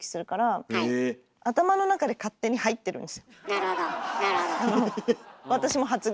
なるほどなるほど。